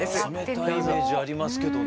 冷たいイメージありますけどね。